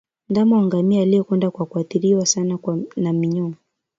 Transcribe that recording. Ndama wa ngamia aliyekonda kwa kuathiriwa sana na minyooo